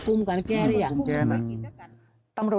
กลับไปตากินเล่าล่ะ